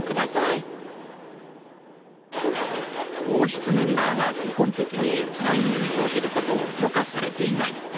王室メンバーは基本的にサインに応じることを許可されていない。